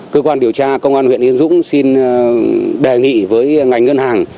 cơ quan điều tra công an huyện yên dũng xin đề nghị với ngành ngân hàng